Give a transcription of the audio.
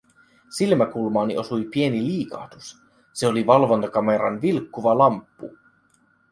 Silmäkulmaani osui pieni liikahdus, se oli valvontakameran vilkkuva lamppu.